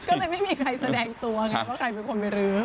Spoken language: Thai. ก็เลยไม่มีใครแสดงตัวไงว่าใครเป็นคนไปรื้อ